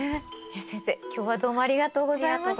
先生今日はどうもありがとうございました。